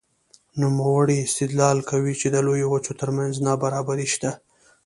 نوموړی استدلال کوي چې د لویو وچو ترمنځ نابرابري شته.